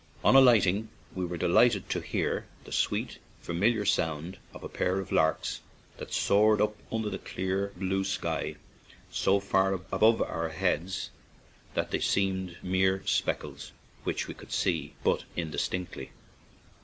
On alighting we were delighted to hear the sweet, familiar song of a pair of larks that soared up under the clear, blue sky so far above our heads that they seemed mere specks which we could see but indistinctly.